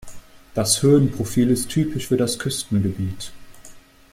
Das Höhenprofil ist typisch für das Küstengebiet.